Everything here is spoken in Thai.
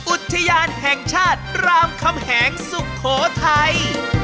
อุทยานแห่งชาติรามคำแหงสุโขทัย